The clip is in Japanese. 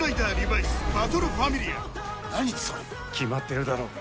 決まってるだろう。